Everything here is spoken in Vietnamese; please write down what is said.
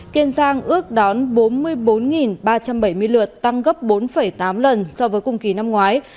kiên giang ước đón bốn mươi bốn ba trăm bảy mươi lượt tăng gấp bốn tám lần so với cùng kỳ năm ngoái